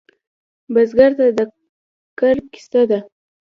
بزګر ته د کر کیسه ده